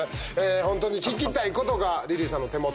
ホントに聞きたいことがリリーさんの手元に集まってます。